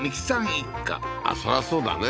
一家そらそうだね